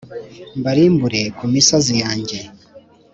mbarimbure ku misozi yanjye.